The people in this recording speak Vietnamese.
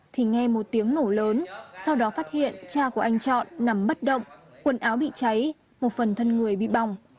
thì nghe một tiếng nổ lớn sau đó phát hiện cha của anh chọn nằm bất động quần áo bị cháy một phần thân người bị bong